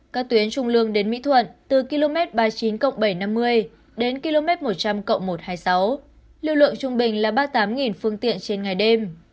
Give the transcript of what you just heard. các tuyến trung lương đến mỹ thuận từ km ba mươi chín bảy trăm năm mươi đến km một trăm linh một trăm hai mươi sáu lưu lượng trung bình là ba mươi tám phương tiện trên ngày đêm